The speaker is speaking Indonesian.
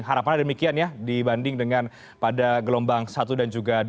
harapan ada demikian ya dibanding pada gelombang satu dan juga dua